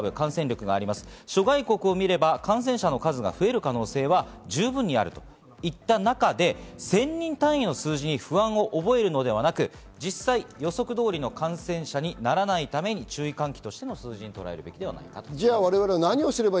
諸外国を見れば、感染者が増える可能性は十分にあるといった中で１０００人単位の数字に不安を覚えるのではなく、予測通りの感染者にならないための、注意喚起としての数字としてとらえるべきと、おっしゃっています。